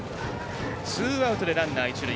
ツーアウトでランナー、一塁。